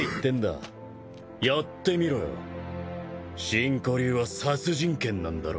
真古流は殺人剣なんだろ？